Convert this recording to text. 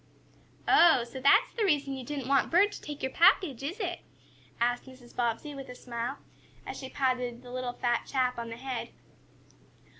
"Oh, so that's the reason you didn't want Bert to take your package, is it?" asked Mrs. Bobbsey, with a smile, as she patted the little fat chap on the head.